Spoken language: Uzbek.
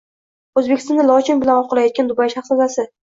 O‘zbekistonda lochin bilan ov qilayotgan Dubay shahzodasi